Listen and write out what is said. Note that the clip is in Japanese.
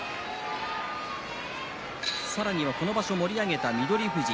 さらにはこの場所を盛り上げた翠富士。